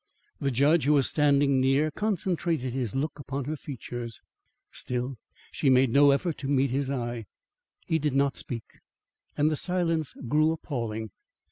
The judge, who was standing near, concentrated his look upon her features. Still she made no effort to meet his eye. He did not speak, and the silence grew appalling.